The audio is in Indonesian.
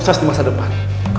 kamu harus di masa depan